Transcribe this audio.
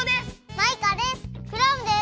マイカです！